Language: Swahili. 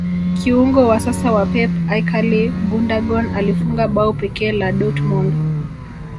kiungo wa sasa wa pep ikaly gundagon alifunga bao pekee la dortmond